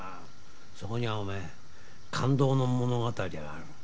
そこにはお前感動の物語がある。